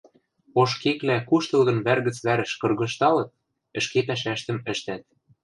Ош кеклӓ куштылгын вӓр гӹц вӓрӹш кыргыжталыт, ӹшке пӓшӓштӹм ӹштӓт.